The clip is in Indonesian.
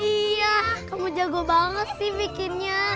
iya kamu jago banget sih bikinnya